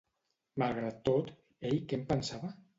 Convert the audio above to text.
Malgrat tot, ell què en pensava?